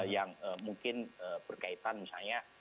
yang mungkin berkaitan misalnya